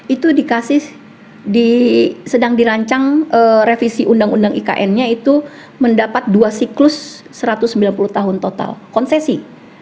itu sedang dirancang revisi undang undang ikn nya itu mendapat dua siklus satu ratus sembilan puluh tahun total konsesi